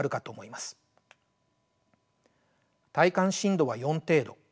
体感震度は４程度。